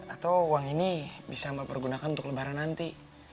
atau uang ini bisa mbak pergunakan untuk lebaran nanti